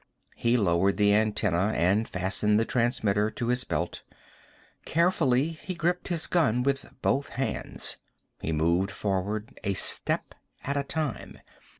He lowered the antenna and fastened the transmitter to his belt. Carefully, he gripped his gun with both hands. He moved forward, a step at a time.